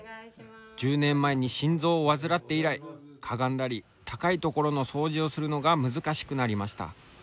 １０年前に心臓を患って以来かがんだり高いところの掃除をするのが難しくなりました。